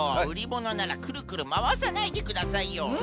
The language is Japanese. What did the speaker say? うりものならくるくるまわさないでくださいよ。